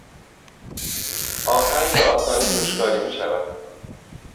آهن به آسانی جوشکاری میشود.